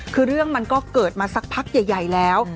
คือเรื่องมันก็เกิดมาสักพักใหญ่แล้ว